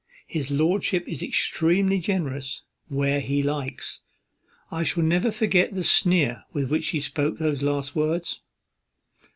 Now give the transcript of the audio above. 'His lordship is extremely generous where he likes.' I shall never forget the sneer with which she spoke those last words."